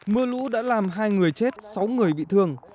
mưa lũ đã làm hai người chết sáu người bị thương